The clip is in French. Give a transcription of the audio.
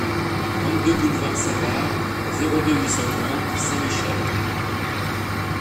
trente-deux boulevard Savart, zéro deux, huit cent trente Saint-Michel